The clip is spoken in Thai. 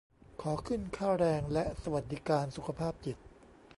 ขอขึ้นค่าแรง และสวัสดิการสุขภาพจิต